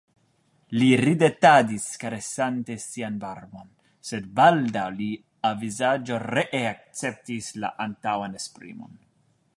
Li ridetadis, karesante sian barbon, sed baldaŭ lia vizaĝo ree akceptis la antaŭan esprimon.